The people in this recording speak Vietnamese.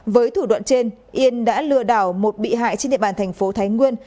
với thủ đoạn trên yên đã lừa đảo một bị hại trên địa bàn tp thái nguân